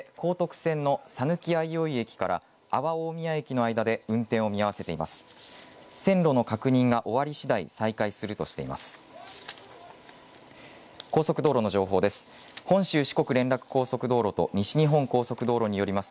線路の確認が終わりしだい再開するとしています。